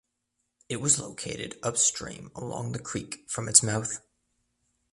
It was located upstream along the creek from its mouth.